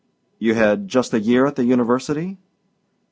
"You had just a year at the university?"